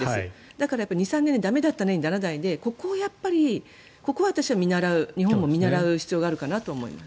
だから、２３年で駄目だったねにならないでここは日本も見習う必要があるかなと思います。